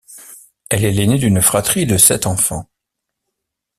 Elle est l'aînée d'une fratrie de sept enfants.